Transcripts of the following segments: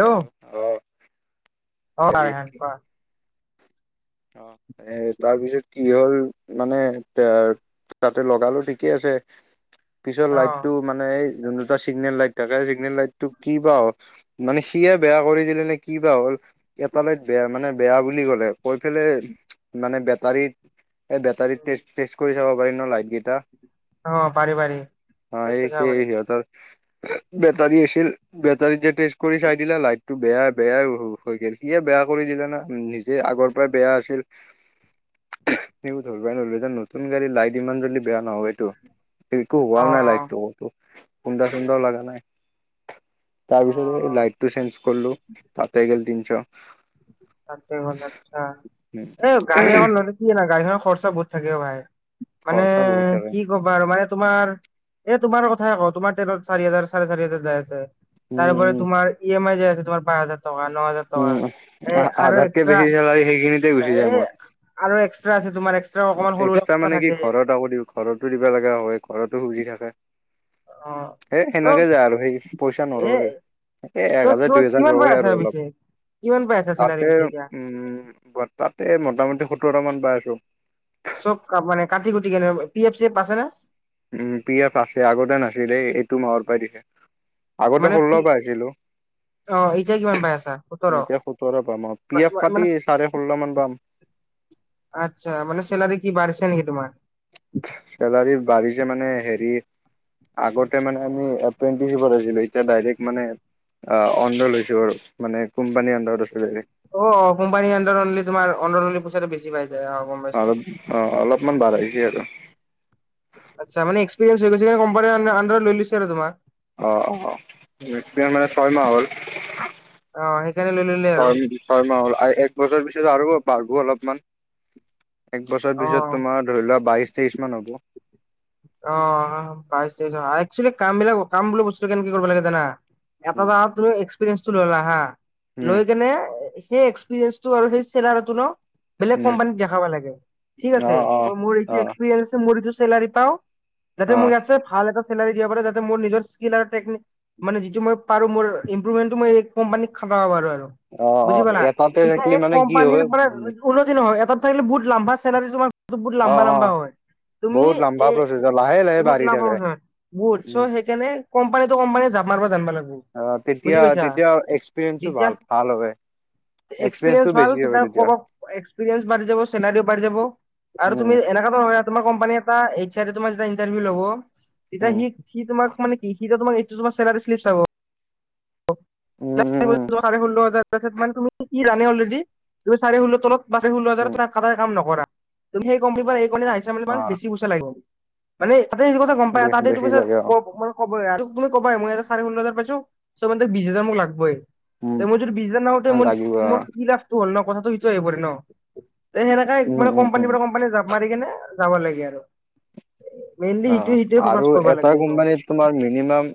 Hello? অ'। হেৰি হয় - হয়, কোৱা। অ' এ তাৰপিছত কি হ'ল মানে তা- তাতে লগালোঁ, ঠিকে আছে। পিছত অ লাইটটো মানে যোন দুটা ছিগনেল লাইট থাকে, ছিগনেল লাইটটো কি বা হ'ল, মানে সিয়ে বেয়া কৰি দিলে নে কি বা হ'ল, এটা লাইট বেয়া মানে বেয়া বুলি ক'লে। কৈ ফেলে মানে বেটাৰীত এই বেটাৰীত টেষ্ট- টেষ্ট কৰি চাব পাৰি ন' লাইটকেটা? অ পাৰি পাৰি অ' এই তেজপুৰ যাব সেই পাৰি সিহঁতৰ বেটাৰী আছিল। বেটাৰী যে টেষ্ট কৰি চাই দিলে, লাইটটো বেয়া- বেয়াই হৈ গ'ল। সিয়ে বেয়া কৰি দিলে না নিজে আগৰ পৰাই বেয়া আছিল, একো ধৰবাই নৰলোঁ। যেন নতুন গাড়ীৰ লাইট ইমান জল্দি বেয়া নহয়তো। একো অ হোৱাও নাই লাইটটো খুন্দা-সুন্দা লাগা নাই। তাৰ অ পিছত এ লাইটটো চেঞ্জ কৰলোঁ। তাতে গেল তিন শ। তাতে গ'ল আচ্ছা এ গাড়ী এখন ল'লে কি জানা? গাড়ীখন খৰচা‌ বহুত থাকে অ ভাই। মানে খৰচা বহুত থাকে কি কবা আৰু মানে তোমাৰ এই, তোমাৰ কথাই কও, তোমাৰ তেলত চাৰি হাজাৰ চাৰে চাৰি হাজাৰ যাই আছে। উম তাৰপৰা উম তোমাৰ ই এম আই যে আ, তোমাৰ পাঁচ হাজাৰ, টকা ন হাজাৰ টকা, এ অ আৰু আধাতকে এক্সট্ৰা বেছি জ, এ গুচি যায় মোৰ। আৰু এক্সট্ৰা আছে তোমাৰ এক্সট্ৰা অকমান সৰু এক্সট্ৰা খৰচা মানে কি থাকে ঘৰত আকৌ দি ঘৰতো দিব লগা হয়। ঘৰতো সুধি থাকে‌। অ এ ত সেনেকে যায় আৰু সেই পইচা এ নৰয়ে আৰু এ এক তই হাজাৰ তোৰ দুই হেজাৰ কিমান পাই ৰই আছা আৰু অলপ। পিছে? কিমান পাই আছা চেলাৰী তাতে পিছে এতিয়া? উম তাতে মোটামুটি সোতৰটা মান বাই, কু চব কাম মানে কাটি কুটি কেনে, পি এফ চি এফ আছে ন? উম পি এফ আছে। আগতে নাছিলেই এইটো মাহৰ পাই দিছে। আগতে মানে ষোল্ল পি পাইছিলো। অ এতিয়া কিমান পাই আছা? সোতৰ এতিয়া সোতৰ পাম আৰু পি এফ কাটি মানে চাৰে ষোল্ল মান পাম। আচ্ছা মানে চেলাৰী কি বাঢ়ছে নেকি তোমাৰ? চেলাৰী বাঢ়িছে মানে হেৰি, আগতে মানে আমি এপেন্টিচত কৰিছিলোঁ। এতিয়া ডাইৰেক্ট মানে অন লৈ লৈছো আৰু মানে কোম্পানীৰ আন্দাৰত আছিলে। অ কোম্পানী আণ্ডাৰলি তোমাৰ অনৰল পইচাটো বেছি পায়। অ অ অলপমান বাঢ়ে। দিয়ে আৰু। আচ্ছা মানে, এক্সপেৰিয়েঞ্চ হৈ গৈছে কোম্পানী লৈ লৈছে আৰু তোমাক। অ অ মানে ছয় মাহ হল, অ সেইকাৰণে লৈ ললে আৰু ছয় ছয় মাহ হল। এক বছৰ পিছত আৰু, বাঢ়িব অলপমান। এক বছৰৰ অ। পিছত তোমাৰ ধৰি লোৱা বাইশ, তেইশ মান‌ হব‌। অ', বাইশ তেইশ একচুৱেলি কাম বিলাক কাম বোলো বস্তু কেনেক কি কৰিব লাগে জানা? এটা উম, মাহত তুমি টো ললা হা, উম, লৈ কেনে, সেই এক্সপিৰিয়েন্ঞ্চটো আৰু সেই চেলাৰীটো ন, বেলেগ উম, কোম্পানীত দেখাব লাগে। ঠিকআছে অ', এইটো অ', মোৰ অ', এক্সপিৰিয়েন্স চেলাৰি পাও। যাতে অ'। মোক ইয়াছে ভাল এটা। চেলাৰি দিব পাৰে যাতে মোৰ নিজৰ স্কিল আৰু টেকনিক, মানে যি মই পাৰো মোৰ ই্প্ৰুভমেন্টটো মই এই কোম্পানীত খটাব আৰু। অ অ বুজি পালা, এটাতে এতিয়া থাকিলি এই মানে কি কোম্পানীৰ হয় মানে উম, উন্নতি নহয় এটা। থাকে বহু লম্বা চেলাৰী তোৰ। এইটো বহুত অ লম্বা অ লম্বা হয়, তুমি বহুত লম্বা এ, প্ৰচেছ লাহে লাহে বহুত বাঢ়ি ল হ থাকে বহুত, উম, চ' সেইকাৰণে। কম্পানীতো যাপ মাৰিব জনবো লাগে। অ বুজি তেতিয়া পাইছায়া, তেতিয়া এক্সপিৰিয়েঞ্চো ভাল ভাল হয় এক্সপিৰিয়েঞ্চ এক্সপিৰিয়েঞ্চটো ভাল বেছি হয় তেতিয়া কব এক্সপিৰিয়েঞ্চ বাঢ়ি যাব চেলাৰিও বাঢ় যাব, আৰু উম তুমি এনেককা। তোমাৰ কোম্পানী এটা এই। তোমাৰ যেতিয়া ইন্টাৰভউ লাগ, ততিয়া উম হি। সি তোমাক মানে কি সি তোমাক। তোমাৰ চেলাৰী চিলব চাব। উম উম উম াৰে োল্লাজ [unintelligible] তুমি কি জানে অলৰেডি তুমি চাৰে ষোল্ল তলতাৰে ষল্ল উম হাজাৰ কাম নকৰা। ক আহিছে ম বুলি মান অ বেছিুইচা লাগে। মানে। ত সিটো কথা গম পাই বে তাতে তুি ক বেছি লাগে অ মানে কব আৰু তুমি কবা মোক এটা। চাৰে ষল হাজাৰ পছত চ মান ত বিশ হাজাৰ মোক লাগবই। উম এই মোৰ যদি বিছদনা ন হওঁতেৰ লাগিব অ তমোৰ কি লাটো হল ন কথাটো। হবৰে ন। এ! সেনেককা উম মান উম কম্পানীৰ উম পৰা কম্পানী জাপ মাৰি কেনে। যাব লাগে আৰু। মেইনলি সেইটোৱে অঁ, সেইটোৱে ফকাচ আৰু কৰিব এটা লাগে সেইটো কোম্পানীত তোমাৰ মিনিমাম।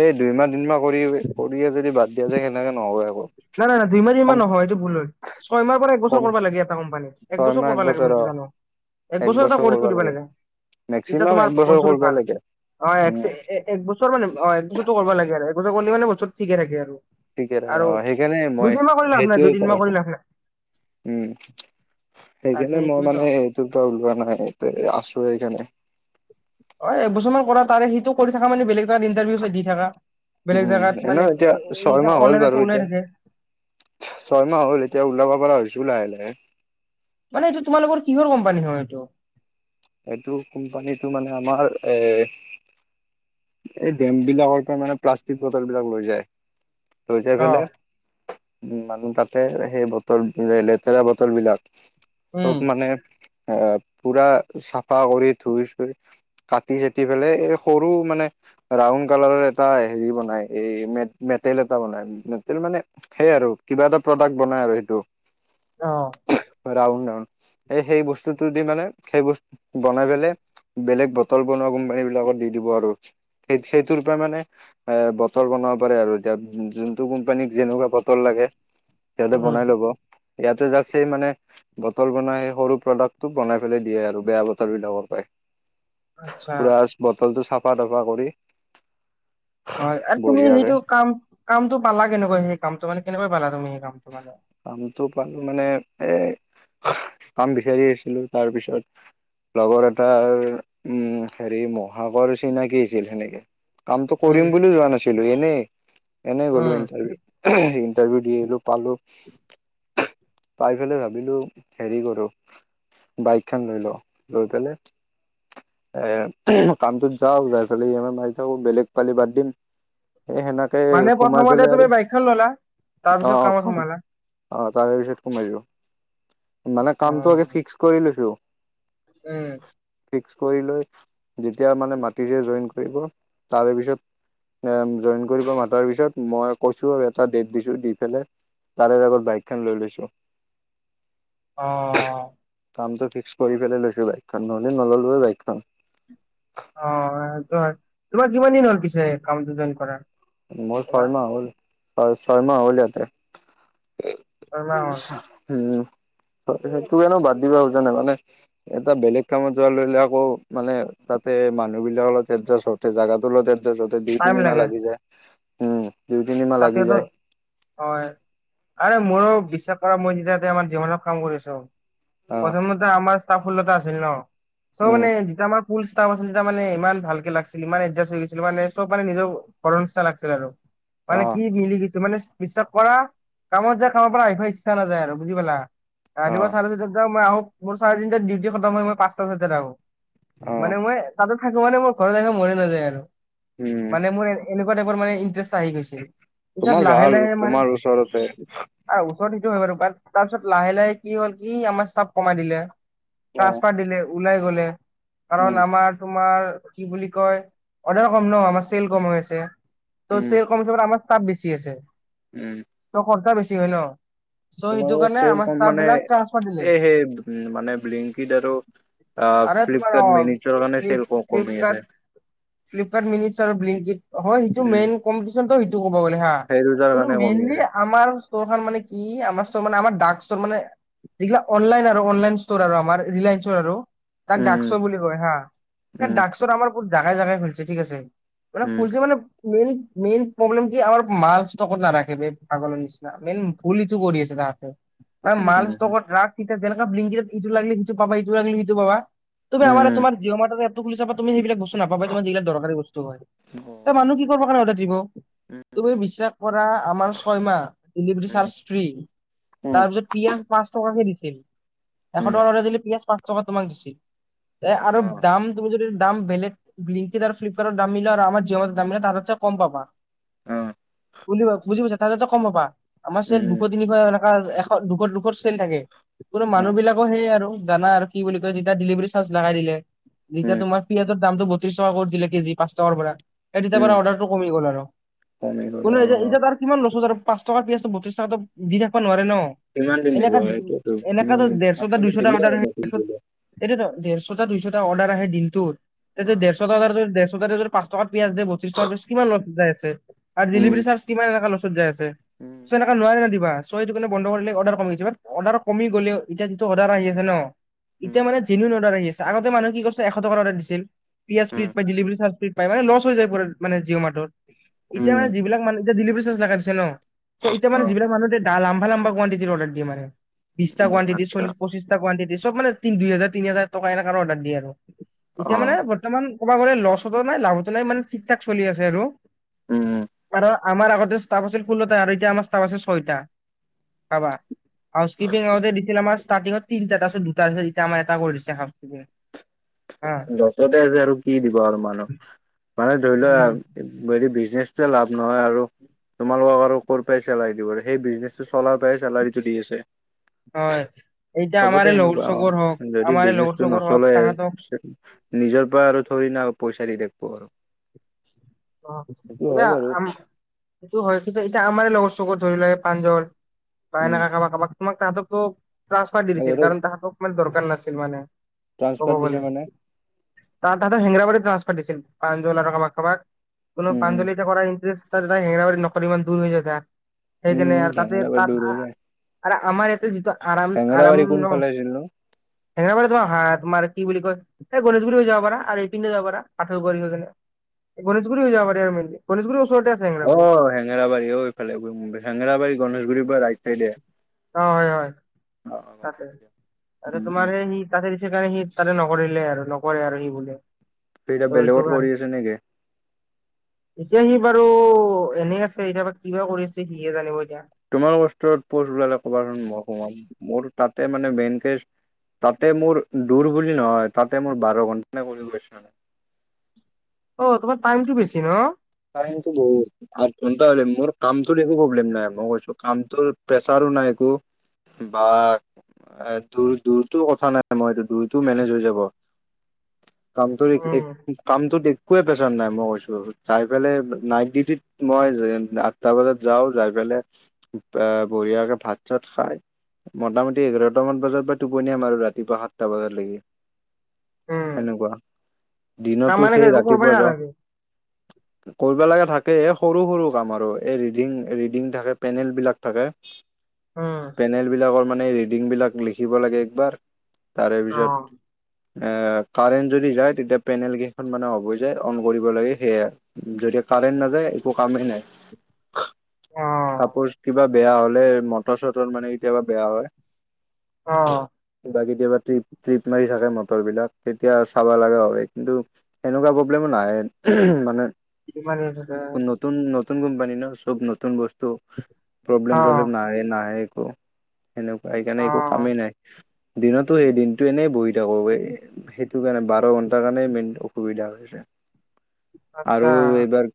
সেই দুইমাহ তিনমাহ কৰি কৰিয়ে যদি বাদ। এতিয়া যে, হেনেকে নহয় আৰু। নাই নাই নাই দুইমাহ ইমান নহয় এইটো ভুল হ'ল, ছয়মাহৰ পৰা একবছৰ কম কৰিব লাগে এটা কোম্পানী। এক বছৰ কৰিবা লাগে, মইটো জানো এক একবছৰ এটা বছৰ কৰি কৰিব থৈ দিবা লাগে, এতিয়া মেক্সিমাম তোমাৰ এক বছৰ কৰিবই ভাল লাগে অ উম এক বছৰ মানে অ এক বছৰো কৰিব লাগে। ক'লে মান বছু ঠিকে ৰাখে আৰু। ঠিকে থাকে আৰু অঁ সেইখিনি। সেইকাৰণে মই দুদিনমান কৰি লাভ নাই সেইটোয়ে, দুদিনমান কৰি লাভ নাই। ক উম তাকে সেইকাৰণে মই এইটোৱেতো মানে এইটো পা ওলোৱা নাই এই আছো সেইকাৰণে। অঁ, এবছৰমানান কৰা তাৰে সেইটো কৰি থকা মানে বেলেগ। জাগাত ইণ্টাৰভিউ দি থাকা। বেলেগ উম, জাগাত মানে এনে এতিয়া এ ছয়মাহ হ'ল অনলাইনতো বাৰু ওলাই থাকে। এতিয়া ছয়মাহ হ'ল এতিয়া ওলাব পৰা হৈছে। ছো লাহে লাহে। মানে এইটো তোমালোকৰ কিহৰ কোম্পানী হয় এইটো। এইটো কোম্পানীটো মানে আমাৰ এ! এই ডেম বিলাকৰ পৰা মানে প্লাষ্টিক বটল বিলাক লৈ যায়। লই যাই অ পেলাই। উ মানুহ তাতে সেই বতল লে লেতেৰা বতল বিলাক খুব উম মানে আহ পূৰা চাফা কৰি ধুই চুই কাটি চাটি পেলাই এই সৰু মানে ৰাউন কালাৰৰ এটা হেৰি বনাই এই মেটেল এটা বনাই মেটেল মানে সেইয় আৰু কিবা এটা প্ৰডাক্ট বনাই আৰু সেইটো অহ ৰাউন ৰান এই সেই বস্তুটো দি মানে সেই বস্তু বনাই পেলাই বেলেগ বটল বনোৱা কোম্পানী বিলাকত দি দিব আৰু সেই সেইটোৰ পৰা মানে এ বটল বনাব পাৰে আৰু এতিয়া যোনটো কোম্পানীক যেনেকুৱা বটল লাগে সিহঁতে উম বনাই লব ইয়াতে যা সেই মানে বটল বনাই সেই সৰু প্ৰডাক্টটো বনাই পেলে দিয়ে আৰু বেয়া বতল বিলাকৰ পৰাই আচ্ছা পুৰা বতলটো চাফ চাফা তফা কৰি হয় আৰু তুমি বঢ়িয়াকে সেইটো কাম কামটো পালা কেনেকুৱা সেই কামটো মানে কেনেকা পালা তুমি এই কামতো [unintelligible] কামটো পালো মানে এ কাম বিচাৰি আছিলো তাৰপিছত লগৰ এটাৰ উম হেৰি মহাকৰ চিনাকি আছিল সেনেকে কামটো কৰিম উম বুলি যোৱা নাছিলো এনেই [inaudible] এনে গ'লো উম ইন্টাৰভিউ ইন ইন্টাৰভিউ দি আহিলো পালো পাই পেলাই ভাবিলো হেৰি কৰো বাইক খন লৈ ল লৈ পেলাই এ [unintelligible] যাও [unintelligible] পেলে ই এম আই মাৰি দিও চ বেলেগ পালি বাদ দিম এই সেনেকে মানে সোমাই প্ৰথমতে পেলাই আৰু তুমি বাইকখন ললা তাৰ অ পিছত কামত কাম সোমালা অ তাৰ পিছত কমাই যিব মানে কামটো হয় আগে ফিক্স কৰি লৈছো উম। এক্সি কৰি লৈ যেতিয়া মানে মাতিছে জইন কৰিব তাৰে পিছত জইন কৰিব মাতাৰ পিছত মই কৈছো আৰু এটা ডেট দিছো দি পেলাই তাৰে আগত বাইকখন লৈ লৈছো অ কামটো ফিক্স কৰি ফেলাই লৈছো বাইকখন নহ'লে নল'লোৱে হয় বাইক ক অ সে সেটো হয় তোমাৰ কিমান দিন হ'ল পিছে কামটো জইন কৰ মই [unintelligible] হয় ছয়মাহ হল ইয়াতে ছয়মাহ হ'ল উম হয় সেইটোকনো বাদ দিবা খুজা নে মানে এটা বেলেগ কামত যোৱা লৈলে আকৌ মানে তাতে মানুহ বিলাক অলপ এডজাষ্ট হওঁতে জাগাটো লওঁতে ত ততে দুই, তিনি মাহ লাগি যায়। উম। দুই তিনিমাহ তাতে লাগি ত যায় হয় আৰে মোৰো বিশ্বাস কৰা। মই যেতিয়া তে আমাৰ যে জেমেনত কাম কৰিছোঁ অ প্ৰথমতে আমাৰ তাৰ ষোল্লটা আছিল ন? চৌ উম মানে যেতিয়া আমাক ফুল ষ্টাফ আছিল যেতিয়া মানে ইমান ভালকে লাগিছিল ইমান এডজাষ্ট হৈ গৈছিল, মানে চব মানে নিজৰ ঘৰৰ নিছনা লাগিছিল আৰু। মানে অ কি মিলি গৈছে মানে বিশ্বাস কৰা। কামত যাই, কামৰ পৰা আহিবা ইচ্ছা নাযায় আৰু বুজি পালা? অ ৰাতিপুৱা চাৰে চাৰিটা যাও মই আহো মোৰ চাৰে তিনটাত ডিউটি খতম হয়, মই পাছটা ছয়টাত আহো। অ মানে মই তাতে থাকো মানে মোৰ ঘৰত আহিব মনে নাযায় আৰু। উম মানে মোৰ এনেকুৱা টাইপৰ মান ইণ্টাৰেষ্ট আহি গৈছে [unintelligible] পিছত তোমাৰ লাহে ভাল লাহে মানে তোমাৰ ওচৰতে ওচৰত সেটো হয় বাৰু তাৰপিছত লাহে লাহে কি হ'ল কি আমাৰ ষ্টাফ কমাই দিলে। উম টাছপাৰ দিলে। ওলাই গ'লে কাৰণ আমাৰ তোমাৰ কি বুলি কয়? অৰ্ডাৰ কম ন, আমাৰ চেল কম হৈ আছে। ত উম চে আমাৰ ষ্টাফ বেছি আছে। উম। ত খৰচা বেছি ছি হয় ন? চ সেইটো তোমালোকৰ কাৰণে চেল আমাৰ কম ষ্টাফ মানে বিলাক ট্ৰান্সফাৰ দিলে। এই সেই উম, মানে ব্লিংকিত আৰু অ আৰে তোমাৰ ফ্লিপকাৰ্ট অ মিনিটৰ কাৰণে চেল ফিলিপ ক কমি আছে ফ্লিপকাৰ্ট- ফ্লিপকাৰ্ট মিনিটছ আৰু বিলিংকত, হয় সেইটো উম মেইন তাৰপিছত ত সেইটো মই বোলো হা। সেই দুটাৰ তোৰ কাৰণে কমি মেইনলি আছে আমাৰ চৰকাৰ খন মানে কি আমাৰ ম আমাৰ ডাক্ ষ্টৰ মানে এইগিলা অনলাইন আৰু অনলাইন ষ্টৰ আৰু আমাৰ ৰিলায়েন্ঞ্চৰ আৰু। তাক উম ডাকষ্টৰ বুলি কয় হা। স উম ডাকচত আমাৰ বহুত জাগাই জাগাই খুলিছে ঠিক আছে। মানে উম ফুলছে মানে মেইন। মেইন প্ৰব্লেম কি আমাৰ মাল ষ্টকত নাৰাখে পাগলৰ নিচিনা মেইন ভুল ইটো কৰি আছে তাহাতে। মাল উম ষ্টকট ৰাখ, তেনেকা ব্লিংকিতত ইটো লাগিলে সিটো পাবা ইটো পাবা লাগিলে সিটো পাবা। তুমি আমাৰ উম তোমাৰ জিঅ' মটাৰৰ। টো খুলি ছাবা তুমি সেইবিলাক বস্তু। নাপাবাই তোমাৰ যিলাক দৰকাৰী বস্তু হয় অ এ মানুহ কি কৰিবৰ কাৰণে। উম তুমি বিশাস কৰা আময়াহভাৰ চ ফ উম উম, তাৰিছ প। ছিল। এশ উম, টকাৰ লৰাজিলি পিয়ঁয়াজ। পাঁচ টকা তো মাক দিছি। এ আৰু অ দাম তুমি যদি। দাম বেলেিংকি আৰু ফলিপকাৰ্টৰ দাম নিলো আৰু আাৰ যৰ দাম নিলো তাত। কম পাবা অ বুজি পাইছা তাৰ যো কম পাবা। আমাৰ চেল উম দুশ তিনিশে। এশ দুঘট দুখট চেল থাকে। কোনো অ মানুহ বিলাকো সেইয় আৰু। জানা আৰু কি বুলি কয় যেতিয়া ডেলিভাৰী চাৰ্জ লগাই দিলে। নিজা উম তোমাৰ পিয়াটো। দামটো বত্ৰিশ টকা কৰি দিল কেজি পাঁচ টকাৰ পৰা। এি তাৰ উম পৰা অৰ্ডাৰ। হৈ গল আৰু কমি গ'ল অ কিমান। পাঁচ টকা পিয়য় বতি টকা দি থাকিব নোৱাৰে। নোৱৰে ন কিমান দিন দিব সেইটোৱেতো এনেকা কিমান দিন ডেৰশ টা পাঁচশ দিন দুইছা টা দিলে অৰ্ডাৰ আৰু আহে নতুন দিলে সেইটোৱে তেওঁ ডেৰশ টা দুইচা টা পাৰ্চেল আহে দিনটোত [unintelligible] মা পচ কা পিয়য় দ বচতি ট প কিমান লগ যাই আছে। আৰু উম ডেলিভাৰী চাৰ্জমান এ উম য আ নোৱ। চ এইটো কাৰণে বন্ধ কৰিলে অৰ্ডাৰ কমি গৈছে অৰ্ডাৰ কমি গলেও এতিয়া যিটো অৰ্ডাৰ আহি আছে ন? ইতিয়া উম মানে জেনন ডাৰ আহছে। আগতে মানুহ কি কৰিছে এশ টকাৰ অৰ্ডাৰ দিছিল পিয়াজ উম ফ্ৰীত পাই ডেলিভাৰী চাৰ্চ ফ্ৰীত পাই মানে লছ হৈ যায় পুৰা মানে। জিঅ মাৰ্টত। এতিয়া মানে উম যিবিলাক মানুহ। ডেলিভাৰী চাৰ্চ লগাই দিছে ন। ত এতিয়া মানে অ যিবিলাক মানুহ দে। লাম্বা লাম্বা কোৱাণ্টিটিত অৰ্ডাৰ দিয়ে মানে বিছটা উম, কোৱাণ্টিটি আচ্ছা চল্লিছ পঁচিছটা কোৱাণ্টিটি চব মানে দুই হাজাৰ তিন হাজাৰ টকা এনেকা অৰ্ডাৰ দিয়ে আৰু। এতিয়া মানে অ', বৰ্তমান ক'ব গলে লছতো নাই লাভতো নাই মানে ঠিক ঠাক চলি আছে আৰু উম, আৰু আমাৰ আগতে ষ্টাফ আছিল ষোল্লটা আৰু এতিয়া আমাৰ ষ্টাফ আছে ছয়টা ভাবা হাউচ কিপিং আগতে দিছিল আমাৰ ষ্টাৰ্টিংত তিনটা তাৰছত দুটা এতিয়া আমাৰ এটা কৰি দিছে হাউজ কিপিঙত যতে আছে আৰু কি দিব আৰু মানুহ মানে ধৰি উম লোৱা বিজনেছটোৱে লাভ নহয় আৰু তোমালোকক আৰু কৰপৰাই চেলাৰি দিব প সেই বিজনেছটো চলাৰ পৰাই চেলাৰিটো দি আছে। হয় এতিয়া চবতে আমাৰে লগৰ সেনেকুৱা অ', চগৰ হওক যদি আমাৰে লহৰ বিজনেচটো চগৰ হওক নচলে তাহাঁতক। নিজৰ পৰা আৰু থৰি না পইচা দি থাকিব অ সেইটো হয় এতিয়া বাৰু আম সেইটো হয় কিন্তু এতিয়া আমাৰে লগৰ চগৰ ধৰি ল এ প্ৰাঞ্জল বা উম, এনকা কাবা কাবাক মই তাতো ক ট্ৰান্সফাৰ দি দিছিল সিহঁতক কাৰণ তাহাতক মানে দৰকাৰ নাছিল মানে ক'ব ট্ৰান্সফাৰ দিছে গ'লে মানে তাত তাহাতক হেঙেৰাবাৰীত ট্ৰান্সফাৰ দিছিল পাঞ্জল আৰু কাবাক কাবাক। কোনো উম, উম। পাঞ্জলিতে কৰাৰ ইণ্টাৰেষ্ট তাত হেঙনা বাৰী নকৰি ইমান দূৰ হৈ যায় তা সেইকাৰণে উম, আৰু তাতে হেঙেৰাবাৰী তাত দূৰ হৈ যায় আৰু আমাৰ ইয়াতে যিটো আৰাম আৰাম হেঙেৰাবাৰী ন কোনফালে আছিল নো? হেঙেৰাবাৰীত তোমাৰ হা তোমাৰ কি বুলি কয় এই গণেশগুৰি হৈ যাব পাৰা আৰু এইপিনেদি যাব পাৰা পাঠৰগৈ হৈ কিনে। গণেশগুৰি হৈ যাব পাৰাৰে ম গণেশগু অ হেঙেৰাবাৰী অ এইফালে হেঙেবাৰী গণেশগুৰিৰ পৰা ৰাই- হে দে হয় হয় তাতে পাইছোঁ দিয়া। ত উম তোমাৰ উম সি তাতে দি- সেইকাৰণে সি তাতে নকৰিলে আৰু নকৰে আৰু সি বোলে। সি এতিয়া ত সেইটো বেলেগত কাৰণে কৰি আছে নেকি? এতিয়া সি বাৰু এনে আছে এতিয়া বা কিবা কৰি আছে সিয়ে জানিব। এতিয়া তোমালোকৰ ওচৰত পোষ্ট উলালে কবাচোন মই সোমাম মোৰ তাতে মানে মেইনকে তাতে মোৰ দূৰ বুলি নহয় তাতে মোৰ বাৰ ঘন্টা নে কৰি গৈছে। অ তোমাৰ টাইমটো বেছি ন? টাইমটো বহুত আঠ ঘন্টা হলে মোৰ কামটোত একো প্ৰব্লেম নাই। মই কৈছো কামটোৰ প্ৰেচাৰো নাই একো বা দূৰ দূৰটো কথা নাই মই এইটো দূৰটো মেনেজ হৈ যাব। কামটো এক এক উম কামটো দে- একোৱে প্ৰেচাৰ নাই মই কৈছো। যাই পেলাই নাইট ডিউটিত মই আঠটা বজাত যাওঁ, যাই পেলাই আহ বঢিয়াকে ভাত - চাত খাই মোটামুটি এঘাৰটামান বজাত বা টোপনি মাৰু আৰু ৰাতিপুৱা সাতটা বজালৈকে। উম সেনেকুৱা তাৰ দিনতো মানে সেই একো কৰিবই ৰাতিপুৱা যাওঁ। নালাগে কৰিব লাগে থাকে। সৰু সৰু কাম আৰু এই ৰিডিং ৰিডিং থাকে পেনেল বিলাক থাকে। উম পেনেল বিলাকৰ মানে ৰিডিং বিলাক লিখিব লাগে একবাৰ তাৰে অ পিছত এ কাৰেন্ট যদি যায় তেতিয়া পেনেল কেইখন মানে অফ হৈ যায় অন কৰিব লাগে। সেয়া যদি কাৰেণ্ট নাযায় একো কামেই নাই। অ কাপোৰ কিবা বেয়া হ'লে মটৰ - চটৰ মানে কেতিয়াবা বেয়া হয়। অ বা কেতিয়াবা ট্ৰিপ ট্ৰিপ মাৰি থাকে মন ভিতৰবিলাক তেতিয়া চাব লগা হয় কিন্তু এনেকুৱা প্ৰব্লেমো নাহে। উহুম মানে কি মান আছে ধৰা নতুন নতুন কোম্পানী ন চব নতুন বস্ত- ত প্ৰব্লেম অ চব্লেম নাই নাহে সেনেকুৱা সেইকাৰণে অ একো কামেই নাই। দিনতো সেই দিনটো এনেই বহি তাব সেই ভেট টো কাৰনে বাৰ ঘণ তাৰ কাৰণে মেইন অসুবিধা হয়। তে আচ্ছা আৰু এইবাৰ।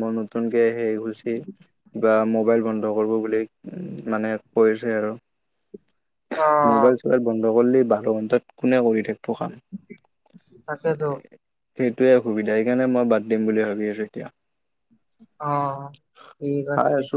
মই নতুনকে সেই গুচি বা মোবাইল বন্ধ কৰিব বুলি মানে কৈছে আৰু। অ মোবাইল চোবাইল বন। লগলি বাৰ ঘণ্টাত কোনে কৰি থা। পোখান তাকেতো এ। তেত। তোয়ে সুবিধা সেইকাৰণে মই। বাদ দিম বুলি ভাবি আছো এতিয়া। অ ঠিক চাই আছে। আছো